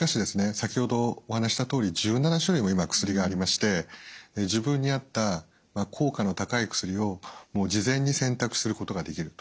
先ほどお話ししたとおり１７種類も今薬がありまして自分に合った効果の高い薬をもう事前に選択することができると。